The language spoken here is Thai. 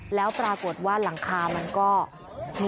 หลายคนหลายคนหลายคน